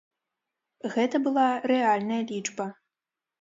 Гэта была рэальная лічба.